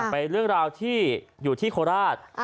ไปเรื่องราวที่อยู่ที่โคราช